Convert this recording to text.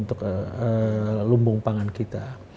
untuk lumbung pangan kita